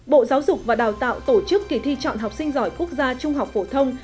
bộ giáo dục và đào tạo tổ chức kỳ thi chọn học sinh giỏi quốc gia trung học phổ thông